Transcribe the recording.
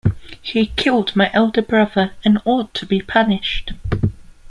He killed my older brother and ought to be punished.